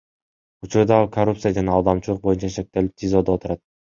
Учурда ал коррупция жана алдамчылык боюнча шектелип ТИЗОдо отурат.